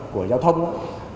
của giao thông á